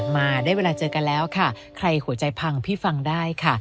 มาได้เวลาเจอกันแล้วค่ะใครหัวใจพังพี่ฟังได้ค่ะ